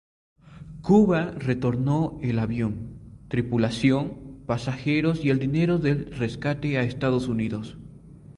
Cuba retornó el avión, tripulación, pasajeros y el dinero del rescate a Estados Unidos.